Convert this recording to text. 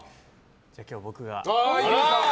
じゃあ今日は僕が。